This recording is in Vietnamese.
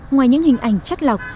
ngoài những hình ảnh chắc lọc